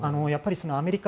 アメリカ